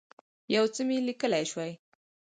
یو څه مي لیکلای شوای.